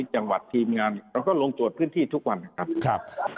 จังหวัดทีมงานเราก็ลงตรวจพื้นที่ทุกวันนะครับ